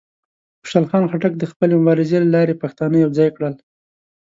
خوشحال خان خټک د خپلې مبارزې له لارې پښتانه یوځای کړل.